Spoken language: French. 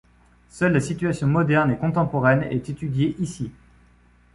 Seule la situation moderne et contemporaine est étudiée ici.